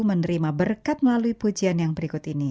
menerima berkat melalui pujian yang berikut ini